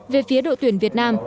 về phía đội tuyển việt nam